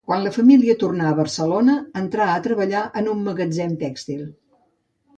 Quan la família tornà a Barcelona, entrà a treballar en un magatzem tèxtil.